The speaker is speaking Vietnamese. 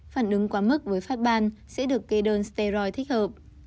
phản ứng quá mức với phát ban sẽ được kê đơn steroid thích hợp